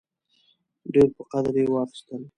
ډېر په قدر یې واخیستل.